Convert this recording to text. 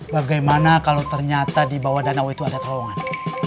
bagaimana kalau ternyata di bawah danau itu ada terowongan